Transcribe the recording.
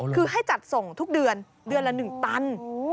คือให้จัดส่งทุกเดือนเดือนละ๑ตัน